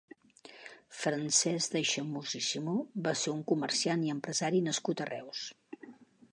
Francesc d'Aixemús i Simó va ser un comerciant i empresari nascut a Reus.